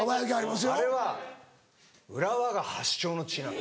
あれは浦和が発祥の地なの。